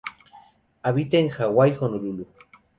Habita en Hawái, Honolulu.